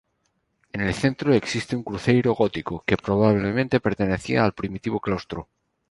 En el centro existe un "cruceiro" gótico, que probablemente pertenecía al primitivo claustro.